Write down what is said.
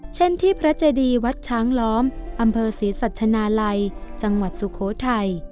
เช่นที่พระเจดีวัดช้างล้อมอำเภอศรีสัชนาลัยจังหวัดสุโขทัย